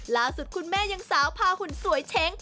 ล่าสุดคุณแม่ยังสาวพาหุ่นสวยเช้ง